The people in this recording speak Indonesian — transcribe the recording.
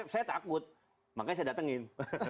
saya takut makanya saya datengin